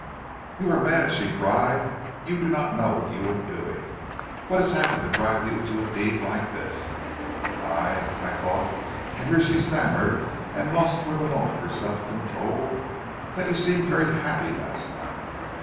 "'You are mad,' she cried. 'You do not know what you are doing. What has happened to drive you to a deed like this? I I thought ' and here she stammered and lost for the moment her self control 'that you seemed very happy last night.'